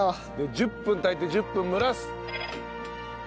１０分炊いて１０分蒸らす！